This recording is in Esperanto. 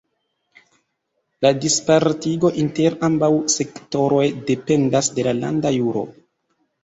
La dispartigo inter ambaŭ sektoroj dependas de la landa juro.